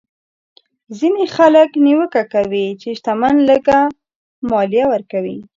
ځینې خلک نیوکه کوي چې شتمن لږه مالیه ورکوي.